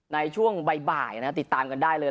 ในช่วงบ่ายติดตามกันได้เลย